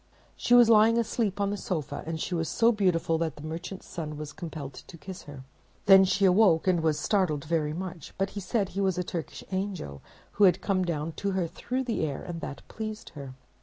She was lying asleep on the sofa, and she was so beautiful that the Merchant's Son was compelled to kiss her. Then she awoke, and was startled very much; but he said he was a Turkish angel who had come down to her through the air, and that pleased her.